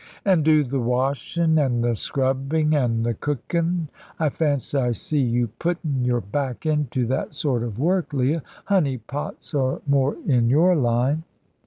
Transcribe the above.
"An' do the washin', an' the scrubbing and the cookin'? I fancy I see you puttin' your back into that sort of work, Leah. Honey pots are more in your line."